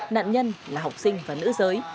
nạn nhân là học sinh và nữ giới